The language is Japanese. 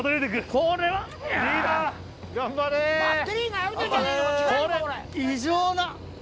これ異常な。